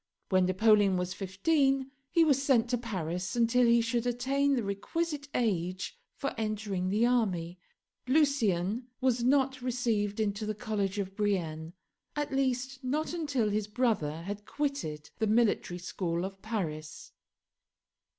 When Napoleon was fifteen he was sent to Paris until he should attain the requisite age for entering the army. Lucien was not received into the College of Brienne, at least not until his brother had quitted the Military School of Paris.